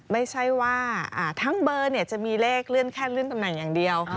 ไม่ใช่ว่าทั้งเบอร์จะมีเลขเลื่อนแค่เลื่อนตำแหน่งอย่างเดียว